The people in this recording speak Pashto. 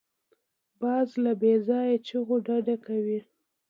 باز له بېځایه چیغو ډډه کوي